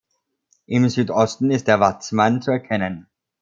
Im Südosten ist der Watzmann zu erkennen.